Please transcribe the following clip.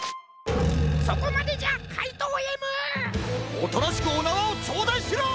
おとなしくおなわをちょうだいしろ！